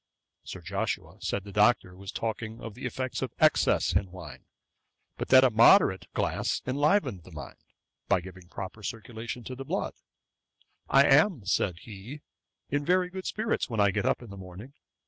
Sir Joshua said the Doctor was talking of the effects of excess in wine; but that a moderate glass enlivened the mind, by giving a proper circulation to the blood. 'I am (said he,) in very good spirits, when I get up in the morning.